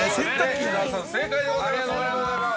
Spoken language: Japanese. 伊沢さん、正解でございます。